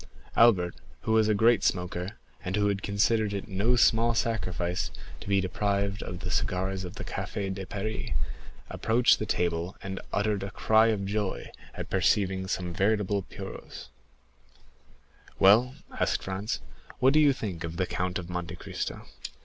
Albert, who was a great smoker, and who had considered it no small sacrifice to be deprived of the cigars of the Café de Paris, approached the table, and uttered a cry of joy at perceiving some veritable puros. "Well," asked Franz, "what think you of the Count of Monte Cristo?"